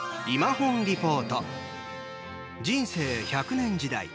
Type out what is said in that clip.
人生１００年時代。